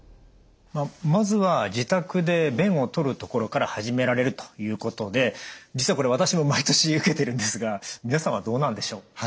まずは自宅で便を採るところから始められるということで実はこれ私も毎年受けているんですが皆さんはどうなんでしょう？